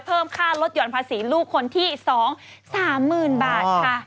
เพิ่มค่าลดหย่อนภาษีลูกคนที่๒สามหมื่นบาทค่ะ